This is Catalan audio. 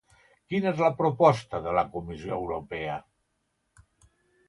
Quina és la proposta de la Comissió Europea?